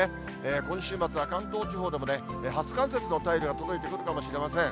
今週末は、関東地方でも初冠雪の便りが届いてくるかもしれません。